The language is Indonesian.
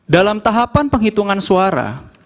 dalam tahapan penghitungan suara